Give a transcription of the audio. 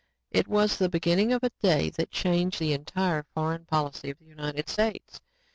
It was the beginning of a day that changed the entire foreign policy of the United States.